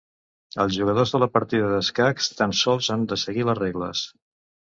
Els jugadors de la partida d'escacs tan sols han de seguir les regles.